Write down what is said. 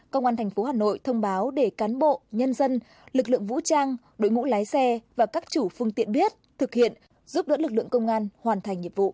công an tp hà nội thông báo để cán bộ nhân dân lực lượng vũ trang đội ngũ lái xe và các chủ phương tiện biết thực hiện giúp đỡ lực lượng công an hoàn thành nhiệm vụ